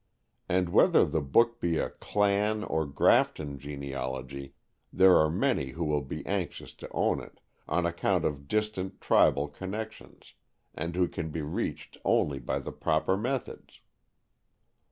And whether the book be a "clan" or "Grafton" genealogy, there are many who will be anxious to own it, on account of distant tribal connections, and who can be reached only by the proper methods.